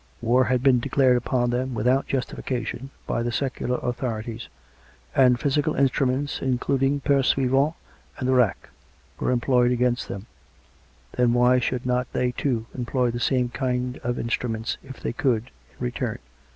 War had been declared upon 172 COME RACK! COME ROPE! them, without justification, by the secular authorities, and physical instruments, including pursuivants and the rack, were employed against them. Then why should not they, too, employ the same kind of instruments, if they could, in return?